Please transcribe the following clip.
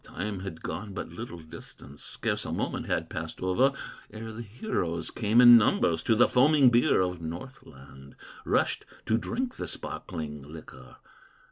"Time had gone but little distance, Scarce a moment had passed over, Ere the heroes came in numbers To the foaming beer of Northland, Rushed to drink the sparkling liquor.